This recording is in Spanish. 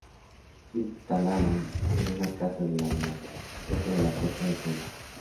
Se instalaron en una casa del Arenal, cerca de la puerta de Triana.